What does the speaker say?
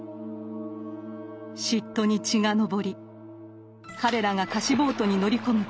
嫉妬に血が上り彼らが貸しボートに乗り込むと後を追います。